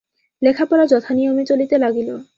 লেখাপড়া যথা নিয়মে চলিতে লাগিল।